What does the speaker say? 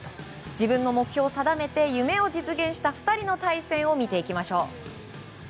自分の目標を定めて夢を実現した２人の対戦を見ていきましょう。